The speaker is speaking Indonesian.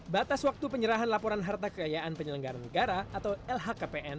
batas waktu penyerahan laporan harta kekayaan penyelenggara negara atau lhkpn